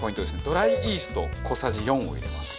ドライイースト小さじ４を入れまして。